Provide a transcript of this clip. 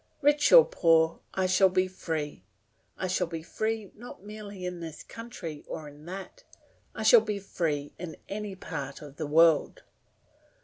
Rich or poor, I shall be free. I shall be free not merely in this country or in that; I shall be free in any part of the world.